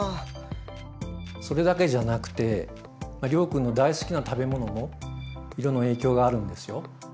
それだけじゃなくて諒君の大好きな食べ物も色の影響があるんですよ。